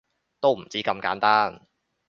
都唔止咁簡單